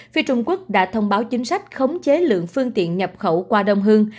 phi trung quốc đã thông báo chính sách khống chế lượng phương tiện nhập khẩu qua đông hương